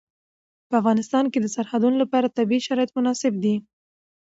په افغانستان کې د سرحدونه لپاره طبیعي شرایط مناسب دي.